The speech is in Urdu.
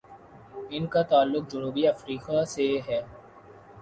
ان کا تعلق جنوبی افریقہ سے ہے۔